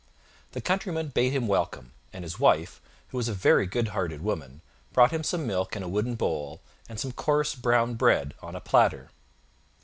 The countryman bade him welcome, and his wife, who was a very good hearted woman, brought him some milk in a wooden bowl and some coarse brown bread on a platter.